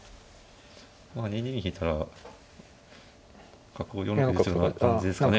まあ２二に引いたら角を４筋打つような感じですかね。